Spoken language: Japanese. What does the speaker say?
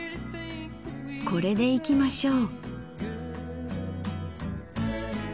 これでいきましょう。